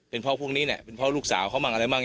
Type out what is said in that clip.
เป็นเพราะพวกนี้แหละเป็นเพราะลูกสาวเขามากอะไรบ้าง